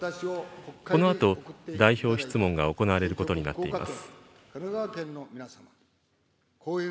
このあと、代表質問が行われることになっています。